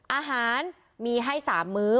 อาหารมีให้๓มื้อ